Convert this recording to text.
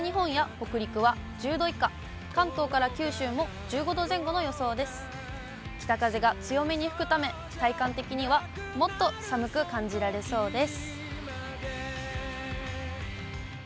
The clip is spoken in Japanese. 北風が強めに吹くため、体感的にはもっと寒く感じられそうです。